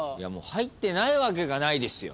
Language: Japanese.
入ってないわけがないですよ。